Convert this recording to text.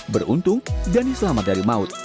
beruntung dhani selamat dari maut